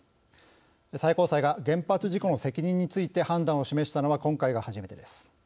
最高裁が原発事故の責任について判断を示したのは今回が初めてです。